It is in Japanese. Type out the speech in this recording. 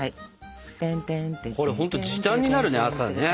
これほんと時短になるね朝ね。